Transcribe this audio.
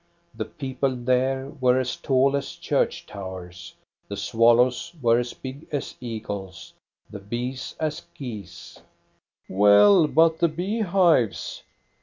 The people there were as tall as church towers, the swallows were as big as eagles, the bees as geese. "Well, but the bee hives?"